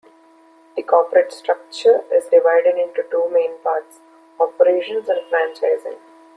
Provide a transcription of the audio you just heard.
The corporate structure is divided into two main parts: operations and franchising.